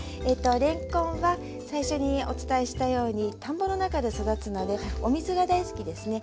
れんこんは最初にお伝えしたように田んぼの中で育つのでお水が大好きですね。